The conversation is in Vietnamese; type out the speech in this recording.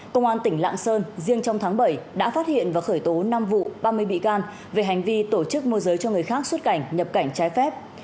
công an tỉnh lạng sơn riêng trong tháng bảy đã phát hiện và khởi tố năm vụ ba mươi bị can về hành vi tổ chức môi giới cho người khác xuất cảnh nhập cảnh trái phép